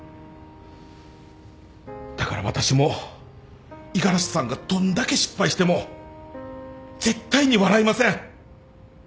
だから私も五十嵐さんがどんだけ失敗しても絶対に笑いません